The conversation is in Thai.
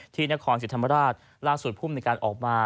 ที่นครศรีธรรมราชล่าสุดภูมิในการออกมา